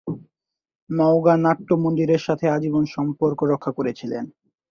নগাঁও নাট্য মন্দিরের সাথে আজীবন সম্পর্ক রক্ষা করেছিলেন।